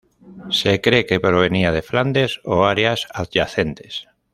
Se cree que provenía de Flandes o áreas adyacentes.